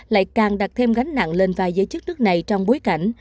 lại càng đặt thêm gánh nặng lên vai giới chức nước này trong bối cảnh